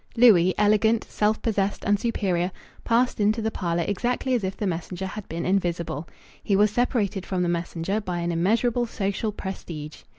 Louis, elegant, self possessed, and superior, passed into the parlour exactly as if the messenger had been invisible. He was separated from the messenger by an immeasurable social prestige.